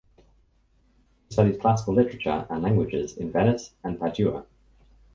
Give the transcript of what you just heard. He studied classical literature and languages in Venice and Padua.